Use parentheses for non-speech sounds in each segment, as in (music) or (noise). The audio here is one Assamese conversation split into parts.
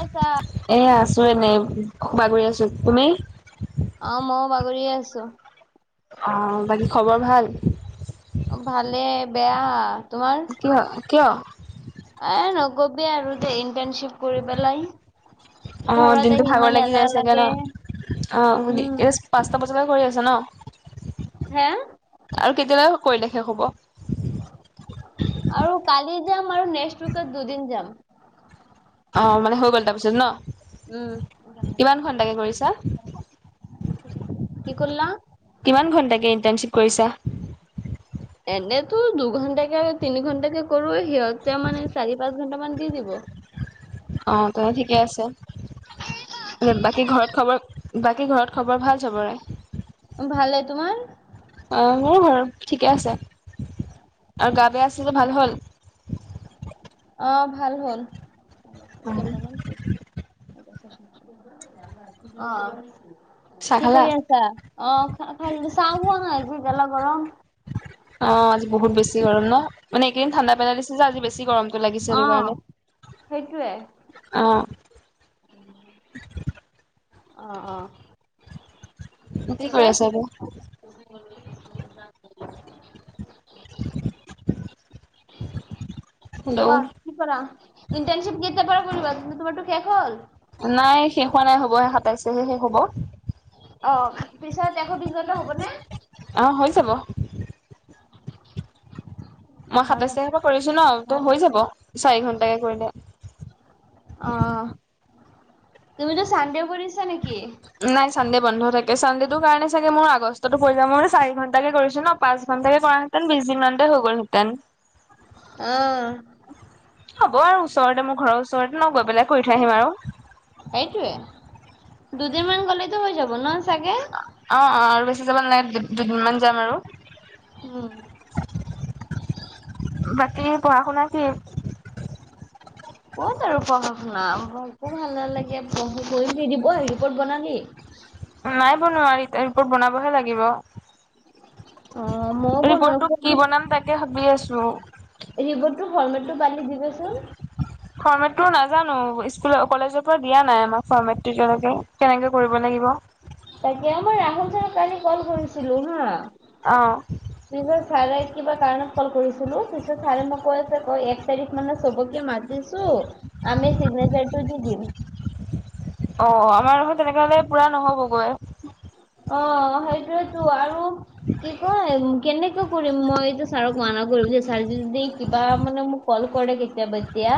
আছা। এ আছোঁ এনেই বাগৰি আছোঁ, তুমি? অ', মই বাগৰিয়ে আছোঁ। অ', বাকী খবৰ ভাল? ভালে বেয়া তোমাৰ? কিয় কিয় এ নকবি আৰু দেই ইণ্টাৰনশিপ কৰি পেলাই। অ', ঘৰত দিনটো আহি ভাগৰ ইমান লাগি এলাহ যাই চাগে ন লাগে। অ', উম ঠিকে আছে। পাঁচটা বজালৈ কৰি আছ ন হে? আৰু কেতিয়ালৈ কৰিলে শেষ হ'ব? আৰু কালি যাম আৰু নেক্স উইকত দুদিন যাম। অ', মানে হৈ গ'ল তাৰপিছত ন? উম কিমান ঘন্টাকে কৰিছা? কি কৰিলা? কিমান ঘণ্টাকে ইণ্টাৰ্ণশ্বিপ কৰিছা? এনেতো দুঘন্টাকে, তিনি ঘণ্টাকে কৰো সিহঁতে মানে চাৰি পাঁচ ঘন্টা মান দি দিব। অ', তে ঠিকে আছে। বাকী ঘৰত খবৰ, বাকী ঘৰত খবৰ ভাল চবৰে? ভালে তোমাৰ? অ', মোৰ ঘৰ ঠিকে আছে আৰু গা বেয়া আছিল যে ভাল হ'ল? অ', ভাল হ'ল কে নাম কি। অ'। চাহ কি কৰি খালা আছা অ', চা-চাহ খোৱা নাই যি গেলা গৰম। অ', আজি বহুত বেছি গৰম ন, মানে একেইদিন ঠাণ্ডা পেলাই দিছে যে আজি বেছি গৰম। লাগিছে অ এই কাৰণে সেইটোৱে, অ'। অ', অ'। কি কৰি পিছত আছা এতিয়া? (inaudible) কোৱা হেল্ল' কি কৰা? ইণ্টাৰনশিপ কেতিয়াৰ পৰা কৰিবা তোমাৰটো শেষ হ'ল? নাই শেষ হোৱা নাই হ'বহে সাতাইশ তাৰিখে শেষ হ'ব। অ', পিছত (unintelligible) হবনে? অ', হৈ যাব। মই নাজা সাতাইশ তাৰিখৰ পৰা কৰিছো ন ত নাজা হৈ যাব চাৰি ঘন্টাকে কৰিলে। অ', তুমিতো চানডে কৰিছা নেকি? নাই চানডে বন্ধ থাকে, চানডে টো কাৰণে চাগে মোৰ আগষ্টতো পৰিল মই চাৰি ঘণ্টাকে কৰিছো ন পাঁচ ঘণ্টাকে কৰা তেন বিছ দিনমানতে হৈ গ'লহেঁতেন। আহ, হ'ব আৰু ওচৰতে মোৰ ঘৰৰ ওচৰতে ন গৈ পেলাই কৰি থৈ আহিম আৰু। সেইটোৱে দুদিন মান গলেতো হৈ যাব ন চাগে। অ', অ', আৰু বেছি যাব নালাগে দুদিন মান যাম আৰু। উম। বাকী পঢ়া শুনা কি? কত আৰু পঢ় শুনা একো ভাল নালাগে পঢ় কৰি দিব হেৰিপট বনালি। নাই বনোৱা ৰিপৰ্ট বনাবহে লাগিব। অ', ময়ো ৰিপৰ্টটো কি বনালো বনাম তাকে ভাবি আছো। ৰিপৰ্টটো ফৰ্মেটটো পালি দিবেচোন। ফৰ্মেটটো নাজানো স্কুল কলেজৰ পৰা দিয়া নাই আমাক ফৰ্মেট এতিয়ালকে কেনেকে কৰিব লাগিব। তাকে আমাৰ ৰাহুল চাৰক কালি কল কৰিছিলো হা। অ', পিছত ছাৰে কিবা কাৰণত কল কৰিছিলো পিছত ছাৰে মই কৈ আছে কয় এক তাৰিখ মানে চবকে মাতি চো আমি চিগনেচাৰ টো দি দিম। অ', আমাৰ দেখোন তেনেক হলে পুৰা নহ'বগৈ। অ', সেইটোয়েতো আৰু কি কয়? কেনেকা কৰিম মইতো ছাৰক মানা কৰিম যে ছাৰ যদি কিবা মানে মোক কল কৰে কেতিয়াবা এতিয়া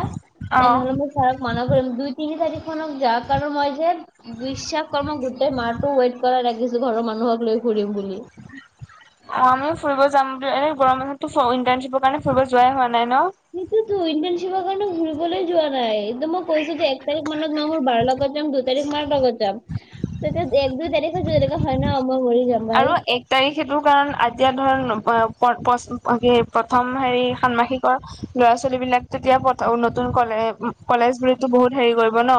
তেনেহ'লে অ মই চাৰক মান কৰিম, দুই তিনি তাৰিখ মানক যাৰ কাৰণ মই যে বিশ্বাস কৰ মই গোটেই মাহটো ৱেইট কৰা লখিছো ঘৰৰ মানুহক লৈ ঘুৰিম বুলি। অ', আমি ফুৰিব যাম বুলি এনে গৰম মানাহতো ইণ্টাৰ্শ্বিপৰ কাৰণে ফুৰিব যোৱাই হোৱা নাই ন। সেইটোৱেতো ইণ্টাৰ্ণচিপৰ কাৰণে ঘূৰিবলে যোৱা নাই। ত মই কৈছো যে এক তাৰিখ মানত মই মোৰ বাৰ লগত যাম দুই তাৰিখ মাৰ লগত যাম তেতি এক দুই তাৰিখ এনেকা হয় ন মই মৰি যাম ভাই। তাৰি সেইটো কাৰণ আতিয়া ধৰ প্ৰথম হেৰি ষানমাসিক ৰ ল'ৰা ছোৱালী বিলাক তে এতিয়া নতুন কলে কলেজ বুলি বহুত হেৰি কৰিব ন।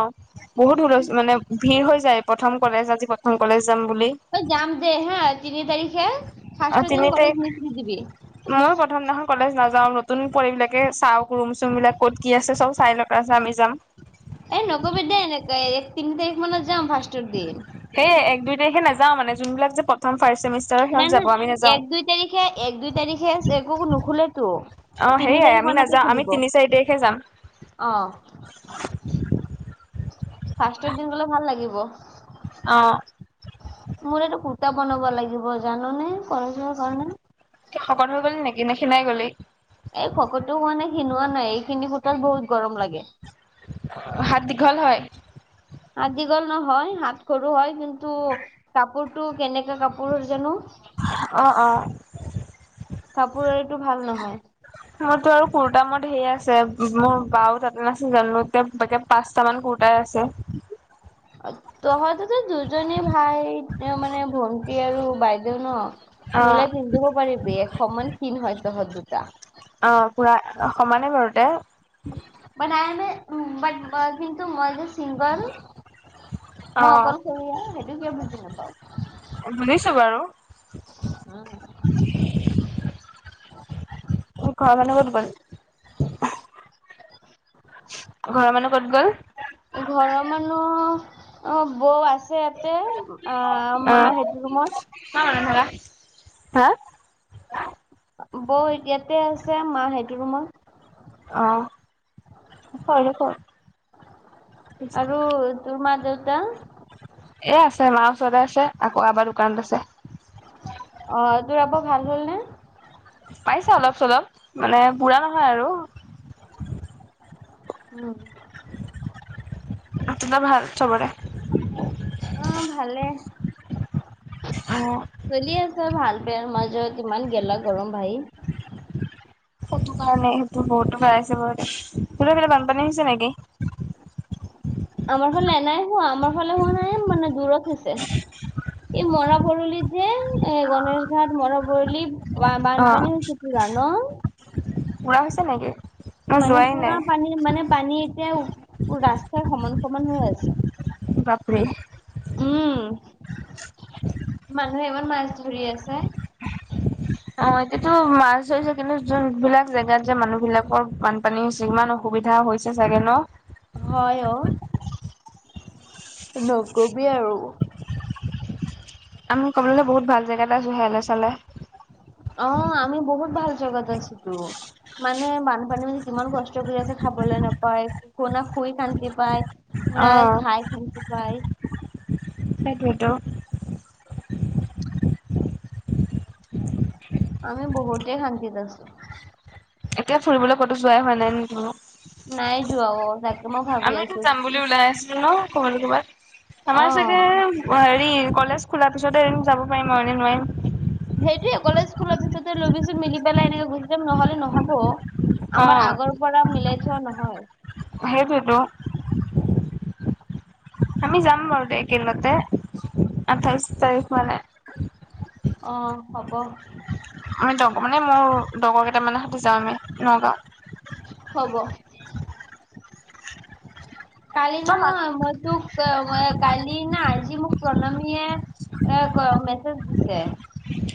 বহুত হুল মানে ভিৰ হৈ যায় প্ৰথম কলেজ আজি প্ৰথম কলেজ যাম বুলি। অ', যাম দে হা তিনি তাৰিখে ফাৰ্ষ্টৰ দিন কলেজ নিচি দিবি। মই প্ৰথম দিনাখন কলেজ নাযাও নতুন পঢ় বিলাকে চাওক ৰুম চুম বিলাক ক'ত কি আছে চব চাই লওক। তাৰ পিছত আমি যাম। এ নকবি দেয এনেকে এক তিনি তাৰিখ মানত যাম ফাৰ্ষ্টৰ দিন। সেই এক দুই তাৰিে নাওঁ মানে যোনবাক প্ৰথম ফাৰ্ষ্ট চেমিষ্টাৰ নাই-নাই এক দুই তাৰিখে এক দুই তাৰিখে একো নুখোলেতো। অ', তিনি সেয়াই তাৰিখ আমি মানতে নাযা খুলিব আমি তিনি চাৰি তাৰিখে যাম। অ', ফাৰ্ষ্টৰ দিন গলে ভাল লাগিব। অ', মোৰ এতাঁ কুৰ্তা বনাবা লাগিব জানোনে কলেজৰ কাৰণে। শকত হৈ গল নেকি নে, খিনাই গলি? এই খকতো মানে শিনোৱা নাই এইখিনি সূত বহুত গৰম লাগে। হাত দীঘল হয়। দীঘল নহয় হাত সৰু হয় কিন্তু কাপোৰ তটো কেনেকা কাপোৰৰ জানো। অ', অ', কাপোৰ এটো ভাল নহয়। মোৰতো আৰু কুৰ্তা মত ঢেৰ আছে মোৰ বাও তাতে নাছিল জানো এতিয়া তাকে পাঁচটা মান কুৰ্টাই আছে। আ। তহঁতিতো দুজনী ভাই, মোৰ মানে ভণ্টি আৰু বাইদেউ ন'। অ। মিলাই পিন্ধিব পাৰিবি সমান ক্ষীণ হয় তহঁত দুটা। অ' পুৰা সমানে বাৰুদে। নাই - নাই বাট কিন্তু মই যে চিংগল। অ মই অকলশৰীয়া সেইটো কিয় বুজি নাপাওঁ। শুনিছো বাৰু। তোৰ ঘৰৰ মানুহ কত গল? (unintelligible) ঘৰৰ মানুহ ক'ত গ'ল? ঘৰৰ মানুহ অ', বৌ আছে ইয়াতে। অ', মা অ', সেইটো ৰোমত। হা? বৌ ইয়াতে আছে, মা সেইটো ৰুমত। অ', (unintelligible) আৰু তোমাৰ দেউতা? এ' আছে মা ওচৰতে আছে, আকৌ আব্বা দোকানত আছে। অ' তোৰ আব্বা ভাল হল নে? পাইছা অলপ - চলপ মানে পুৰা নহয় আৰু। উম। তোমাৰ ভাল সবৰে? (inaudible) অ' ভালে। অ'। চলি আছে ভাল বেয়াৰ মাজত ইমান গেলা গৰম ভাই। সেইটো কাৰণে সেইটো বহুতৰ হয় আছে বাৰু দে, তহঁতৰ সেইফালে বানপানী হৈছে নেকি? আমাৰ ফালে নাই হোৱা, আমাৰ ফালে হোৱা নাই মানে দূৰত হৈছে। এই মৰা ভৰলিত যে, এ' গণেশ ঘাট মৰা ভৰলি। অ' পুৰা হৈছে নেকি? মই মানে যোৱাই পুৰা নাই পানী মানে পানী এতিয়া ৰাস্তাৰ সমান সমান হৈ আছে। বাপৰে। উম মানুহে ইমান মাছ ধৰি আছে। অ' এতিয়াতো মাছ হৈছে কিন্তু যোন বিলাক জেগাত যে মানুহ বিলাকৰ বান পানী হৈছে, ইমান অসুবিধা হৈছে চাগে ন'? হয় অ' নকবি আৰু। আমি ক'বলৈ গলে বহুত ভাল জেগাত আছু সেয়ালে চালে। অ' আমি বহুত ভাল জেগাত আছো তো। মানুহে বানপানী মাজত কিমান কষ্ট কৰি আছে, খাবলৈ নাপায় শুই শান্তি পায়। অ নাই খাই শান্তি পায়। সেইটোৱেতো। (inaudible) আমি বহুতে শান্তিত আছো। এতিয়া ফুৰিবলৈ ক'তো যোৱাই হোৱা নাই নেকি নাই যোৱা অ' তুমি? তাকে মই ভাবি আমিটো আছো যাম কি বুলি ওলাই আছিলো ন, ক'বাত- ক'বাত। আমাৰ অ' চাগে হেৰি কলেজ খোলাৰ পিছতে এদিন যাব পাৰিম আৰু এনে নোৱাৰিম। সেইটোয়ে কলেজ খোলৰ পিছতে ল'বিচোন মিলি পেলাই এনেকে গুচি যাম নহ'লে নহ'ব। আমাৰ আগৰ পৰা মিলাই থোৱা নহয়। সেইটোয়েটো। আমি যাম বাৰু দে এইকেইদিনতে আঠাইশ তাৰিখ মানে। অ' হ'ব। আমি মানে মোৰ লগৰ কেইটামানৰ সৈতে যাওঁ আমি নগাঁও। হব। কালি নহয় মই তোক। অ আ কালি না আজি মোক প্ৰণামীয়ে এ ক মেছেজ দিছে।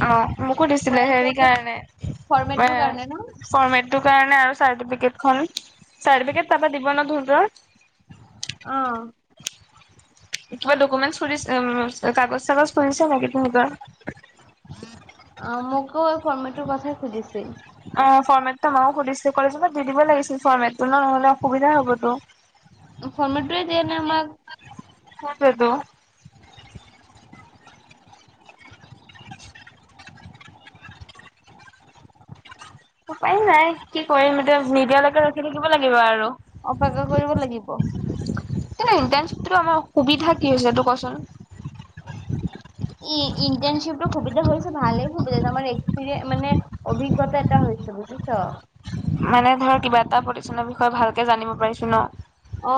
অ মোকো কৈ দিছিলে আছে হেৰি যে কাৰণে, ফৰ্মেটটোৰ কাৰণে ন এ- ফৰ্মেটটোৰ কাৰণে আৰু চাৰ্টিফিকেটখন, চাৰ্টিফিকেট তাৰ পৰা দিব ন তহঁতৰ? অহ। কিবা ডকুমেন্ট খুজিছে অম কাগজ চাগজ খুজিছে নেকি তহঁতৰ। অ' মোকো এই ফৰ্মেটটোৰ কথাই সুধিছিল। অ' ফৰ্মেটটো ম‌ইও সুধিছো কলেজৰ পৰা দি দিব লাগিছিল ফৰ্মেটটো ন' নহ'লে অসুবিধা হ'বতো। ফৰ্মেট টোৱে দিয়া আমাক। সেইটোয়েটো। উপায় নাই কি কৰিম এতিয়া নিদিয়ালৈকে ৰখি থাকিব লাগিব আৰু। অপেক্ষা কৰিব লাগিব। এই ইণ্টাৰ্নশ্বিপটো আমাৰ সুবিধা কি হৈছে সেইটো ক'চোন? ই ইণ্টাৰ্নশ্বিপটো সুবিধা হৈছে ভালেই সুবিধা হৈছে আমাৰ এক্সপিৰিয়ে মানে। অভিজ্ঞতা এটা হৈছে বুজিছো। মানে ধৰ কিবা এটা প্ৰতিষ্ঠানৰ বিষয়ে ভালকে জানিব পাৰিছো ন। অ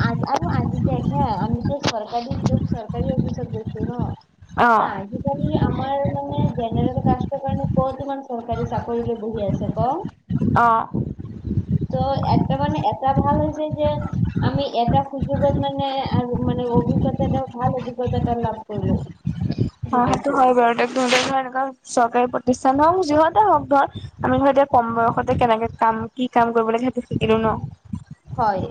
আ আৰু আজি দেখ হা আমিতো চৰকাৰী তোৰ চৰকাৰী অফিচত গৈছো ন। অ', চোৱা আজিকালি আমাৰ মানে জেনেৰেল কাষ্টৰ কাৰণে ওপৰত ইমান চৰকাৰী চাকৰিৰে বহি আছে ক। অ', ত' একটা মানে এটা ভাল হৈছে যে। আমি এটা সুযোগত মানে আৰু মানে অভিজ্ঞতা এটা ভাল অভিজ্ঞতা এটা লাভ কৰিলো। অ সেইটো জীৱনটো হয় বাৰু তহঁতৰ ধৰা এনেকুৱা। চৰকাৰী প্ৰতিষ্ঠান হওঁক যিহতে হওঁক ধৰ আমি ধৰ এতিয়া কম বয়সতে কেনেকে কাম কি কাম কৰিব লাগে সেইটো শিকিলো ন। হয়।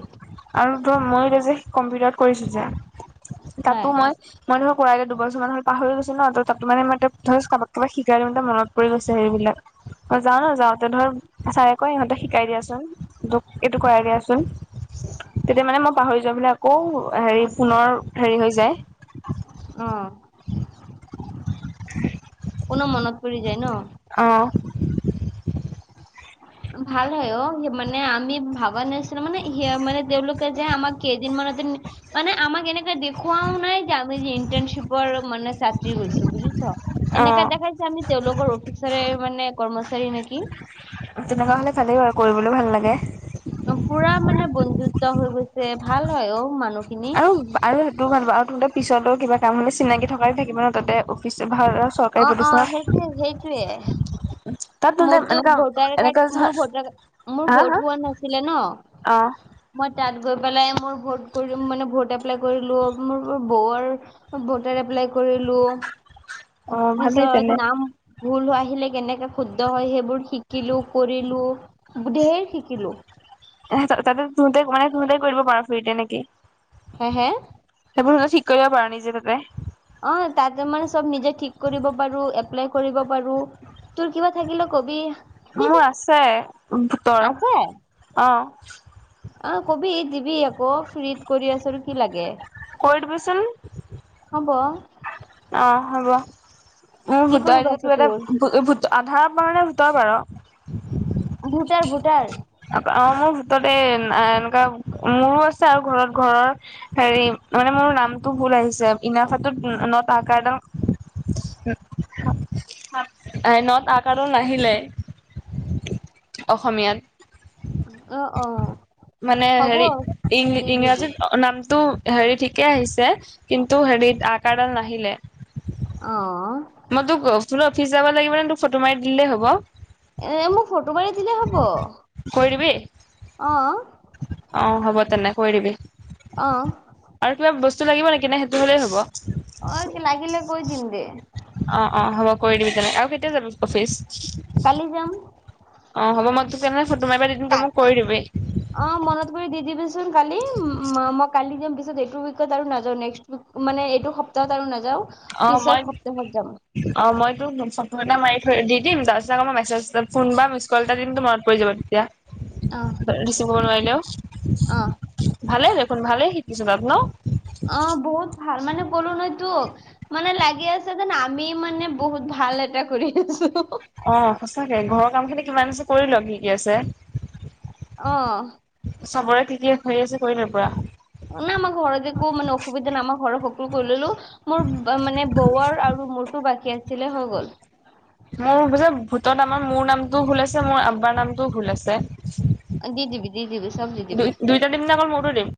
আৰু তোৰ মই এতিয়া যে কম্পিউটাৰত কৰি আছো যে, হয় তাতো মই। মই ধৰা কৰাই গে দুবছৰ মান হৈ পাহৰি গৈছো ন ত' তাতো মানে মই এতিয়া ধৰা কাৰবাক কিবা শিকাই দিওঁতে মনত পৰি গৈছে হেৰিবিলাক। অ যাওঁ ন যাওঁতে ধৰ ছাৰে কয় ইহঁতক শিকাই দিয়াচোন এইটো কৰাই দিয়াচোন। তেতিয়া মানে মই পাহৰি যোৱা বিলাক আকৌ হেৰি পুনৰ হেৰি হৈ যায়। অ, পুনৰ মনত পৰি যায় ন। অহ। ভাল হয় অ মানে আমি ভাবা নাচিলো মানে সেয়া মানে তেওঁলোক যে আমাক কেইদিন মানতে- মানে আমাক এনেকে দেখুৱাও নাই যে আমি যে ইন্টাৰ্নশ্বিপৰ মানে ছাত্ৰী গৈছো বুজিছো। এনেকা অ', দেখাইছে আমি তেওঁলোকৰ অফিচৰে মানে কৰ্মচাৰী নেকি। তেনেকুৱা হ'লে ভালেই বাৰু কৰিবলৈ ভাল লাগে। অ,। পুৰা মানে বন্ধুত্ব হৈ গৈছে ভাল হয় ঔ মানুহ আৰু আৰু সেইটো ভাল বাও আৰু তহঁতে পিছতো কিবা কাম হলে চিনাকি থকাই থাকিব ন তাতে অফিচত ভাল অ চৰকাৰী অ সেইটোয়ে সেইটোয়ে প্ৰতিষ্ঠানত। তাতনো টাইম মোৰতো এনেকা এনেকুৱা যে মোৰ হয়, মোৰ হু হু হোৱা নাছিলে ন অঁ মই তাত গৈ পেলাই মোৰ ভোট কৰিম মানে ভোট এপ্লাই কৰিলো মোৰ বৌৰ আৰু ভোটাৰ এপ্লাই কৰিলো, অ', ভালেই পিছত তেনে নাম ভুল হৈ আহিলে কেনেকে শুদ্ধ হয় সেইবোৰ শিকিলো, কৰিলো। হো ধেৰ শিকিলো। এহ তাতে তহঁতে মানে তহঁতেই কৰি দিব পাৰ‌ ফ্ৰিতে নেকি? হে হে? সেইবোৰ তহঁতে ঠিক কৰিব পাৰ নিজে তাতে। অঁ, তাতে মানে চব নিজে ঠিক কৰিব পাৰো, এপ্লাই কৰিব পাৰো। তোৰ কিবা থাকিলো কবি। মোৰ আছে ভোটৰ। অঁ আঁহ কবি, দিবি আক ফ্ৰীত কৰি আছো আৰু কি লাগে? কৰি দিবিচোন। হ'ব। অঁ হ'ব। মোৰ কি ভোটৰ কৰিব আইদি আছে তো তোৰ ইয়াতে ভো ভোট আধাৰৰ পৰা নে ভোটৰ পাৰ? Voter voter. অব অঁ মোৰ ভোটতে এ এনেকুৱা মোৰো আছে আৰু ঘৰত ঘৰৰ হেৰি, মানে মোৰ নামটো ভুল আহিছে। ইনাফা টোত ন ন'ত আকাৰডাল ন'ত আকাৰ ডাল নাহিলে। অসমীয়াত। অ অ মানে হ'ব হেৰি ইং দি দি দি ইংৰাজীত নামটো হেৰি ঠিকে আহিছে, কিন্তু হেৰিত আকাৰডাল নাহিলে। অঁ মই তোক তোলগ অফিচ যাব লাগিব নে তোক ফটো মাৰি দিলেই হ'ব? এ মোক ফটো মাৰি দিলে হ'ব অঁ অঁ। হ'ব তেনে কৰি দিবি। অঁ আৰু কিবা বস্তু লাগিব নেকি, নে সেইটো হ'লেই হ'ব? অঁ লাগিলে কৈ দিম দে। অঁ অঁ হ'ব কৰি দিবি তেনে আৰু কেতিয়া যাবি অফিচ? কালি যাম। অঁ হ'ব মই তোক কেনেহলে ফটো মাৰিবা দি দিম তই মোক কৰি দিবি। অঁ মনত কৰি দি দিবিচোন কালি। মই কালি দিম পিছত এইটো ছত আৰু নাযাও নেক্সট উইক মানে এইটো সপ্তাহত আৰু নাযাওঁ। অঁ পিছৰ মই সপ্তাহত যাম অঁ মই তোক (unintelligible) ফটো এটা মাৰি থৈ দি দিম, তাৰপিছত আকৌ মেছেজ ফোন বা মিচ কল এটা দিম তো মনত পৰি যাব তেতিয়া। অ হ ৰিচিভ কৰিব নোৱাৰিলেও, অ ভালেই দেখোন ভালেই শিকিছো তাত ন! অঁ বহুত ভাল। মানে ক'লো নহয় তোক মানে লাগি আছে যেন আমি মানে বহুত ভাল এটা কৰি আছো। অ সঁচাকে ঘৰৰ কাম খিনি কিমান আছে কৰি ল কি কি আছে অ চবৰে কি কি হৈ আছে কৰিল পুৰা না আমাৰ ঘৰত একো মানে অসুবিধা নাই আমাৰ ঘৰৰ সকলো কৰি ললোঁ মোৰ মানে বৌৱৰ আৰু মোৰতো বাকী আছিলে হৈ গ'ল মোৰ যে ভোটত আমাৰ মোৰ নামটোও ভুল আছে মোৰ আব্বাৰ নামটোও ভুল আছে দি দিবি দি দিবি চব দি দিবি দুই দুইটা দিম না অকল মোৰ টো দিম